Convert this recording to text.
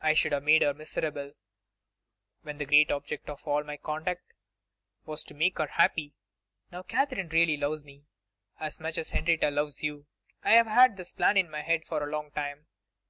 I should have made her miserable, when the great object of all my conduct was to make her happy. Now Katherine really loves me as much as Henrietta loves you. I have had this plan in my head for a long time.